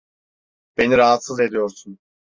Beni rahatsız ediyorsun.